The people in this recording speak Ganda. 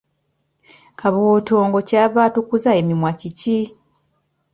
Kabootongo, Kyava atukuza emimwa kiki?